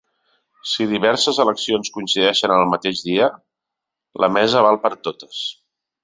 Si diverses eleccions coincideixen el mateix dia, la mesa val per a totes.